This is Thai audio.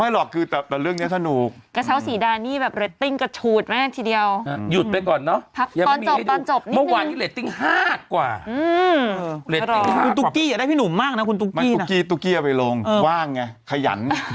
ฮาร์ดกว่าอืมคุณตุ๊กกี้อ่ะได้พี่หนุ่มมากน่ะ